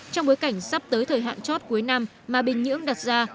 trong bối cảnh sắp tới thời hạn chót cuối năm mà bình nhưỡng đặt ra